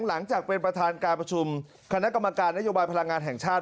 หลังจากเป็นประธานการประชุมคณะกรรมการนโยบายพลังงานแห่งชาติ